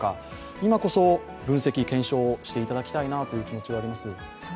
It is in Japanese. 今こそ、分析・検証していただきたいなという気持ちがあります。